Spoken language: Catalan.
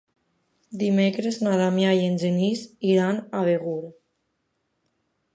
Dimecres na Damià i en Genís iran a Begur.